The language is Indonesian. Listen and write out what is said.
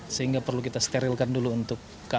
sehingga perlu kita sterilkan dulu untuk keamanannya juga